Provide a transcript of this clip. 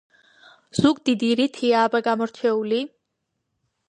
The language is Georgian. ზუგდიდი რითია აბა გამორჩეული?